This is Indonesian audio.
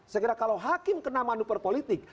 saya kira kalau hakim kena manuver politik